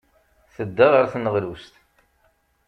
Tedda ɣer tneɣlust.